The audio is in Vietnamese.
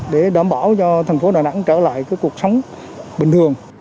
để đảm bảo cho thành phố đà nẵng trở lại cuộc sống bình thường